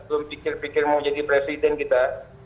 belum pikir pikir mau jadi presiden kita